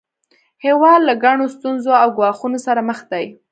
هیواد له ګڼو ستونزو او ګواښونو سره مخ دی